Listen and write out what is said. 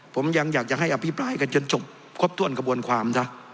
ผมยังอยากจะให้อภิปรายกันจนจบครบถ้วนกระบวนความนะ